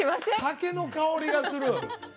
竹の香りがする？